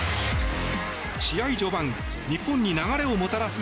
試合序盤日本に流れをもたらす